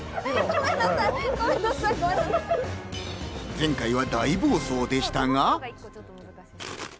前回は大暴走でしたが。